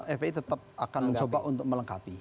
fpi tetap akan mencoba untuk melengkapi